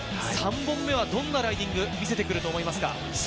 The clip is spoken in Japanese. ３本目はどんなライディング見せてくると思いますか？